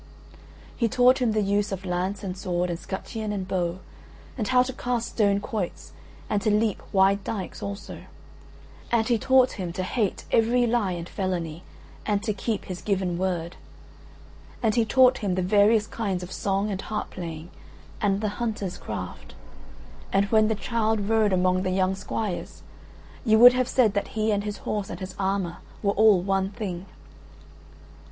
He taught him the use of lance and sword and 'scutcheon and bow, and how to cast stone quoits and to leap wide dykes also: and he taught him to hate every lie and felony and to keep his given word; and he taught him the various kinds of song and harp playing, and the hunter's craft; and when the child rode among the young squires you would have said that he and his horse and his armour were all one thing.